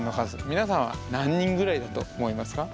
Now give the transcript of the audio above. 皆さんは何人ぐらいだと思いますか？